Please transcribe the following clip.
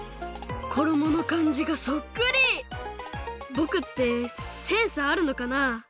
ぼくってセンスあるのかな？